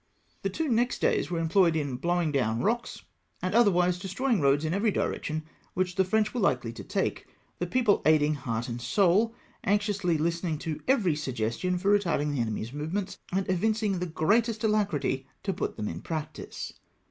The two next days were employed in blowing down rocks, and otherwise destroying roads in every direction which the French were hkely to take, the people aiding heart and soul, anxiously hstening to every suggestion for retarding the enemy's movements, and evincing the greatest alacrity to put them in practice.